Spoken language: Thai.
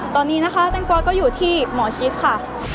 ตอนนี้นะคะแตงโมก็อยู่ที่หมอชิดค่ะ